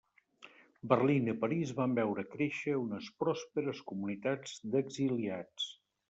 Berlín i París van veure créixer unes pròsperes comunitats d'exiliats.